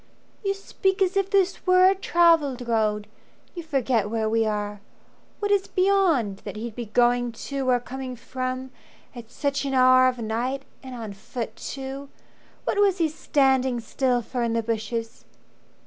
"You speak as if this were a travelled road. You forget where we are. What is beyond That he'd be going to or coming from At such an hour of night, and on foot too. What was he standing still for in the bushes?"